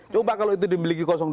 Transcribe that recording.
coba kalau itu dimiliki dua